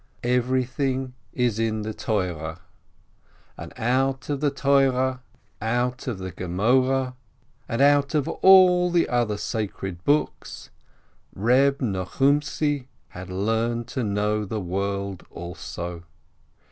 Everything is in the Torah, and out of the Torah, out of the Gemoreh, and out of 16 BEAUDES all the other sacred books, Eeb Nochumtzi had learned to know the world also.